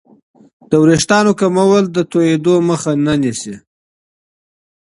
د وریښتانو کمول د توېدو مخه نه نیسي.